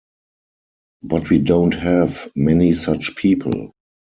But we don't have many such people.